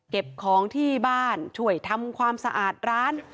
ของที่บ้านช่วยทำความสะอาดร้าน